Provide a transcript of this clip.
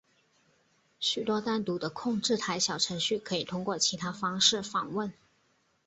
许多单独的控制台小程序可以通过其他方式访问。